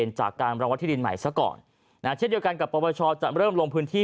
นักกรที่เดียวกันกับประปชาจะเริ่มลงพื้นที่